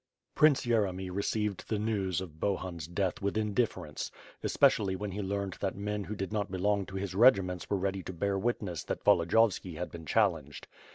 Prince Yeremy received the news of Bohun's death with indifference, especially when he learned that men who did not belong to his regiments were ready to bear witness that Volodiyovski had been challenged.